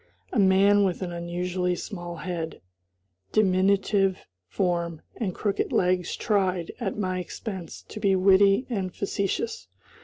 A man with an unusually small head, diminutive form, and crooked legs tried, at my expense, to be witty and facetious.